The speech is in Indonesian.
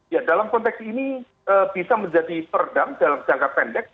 ya dalam konteks ini bisa menjadi peredam dalam jangka pendek